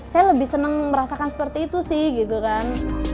saya lebih senang merasakan seperti itu sih gitu kan